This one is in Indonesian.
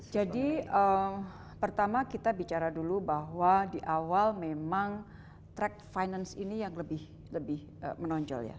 jadi pertama kita bicara dulu bahwa di awal memang track finance ini yang lebih menonjol ya